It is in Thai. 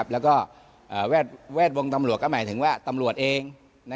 แล้วก็แวดวงตำรวจก็หมายถึงว่าตำรวจเอง